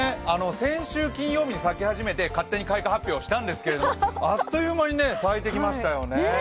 先週金曜日に咲き始めて勝手に開花予報したんですがあっという間に咲いてきましたよね。